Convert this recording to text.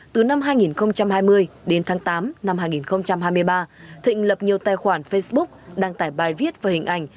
từ năm hai nghìn hai mươi đến tháng tám năm hai nghìn hai mươi ba thịnh lập nhiều tài khoản facebook đăng tải bài viết và hình ảnh